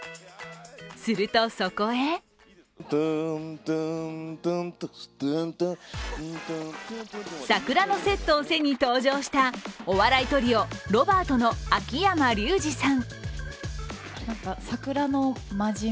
するとそこへ桜のセットを背に登場したお笑いトリオ、ロバートの秋山竜次さん。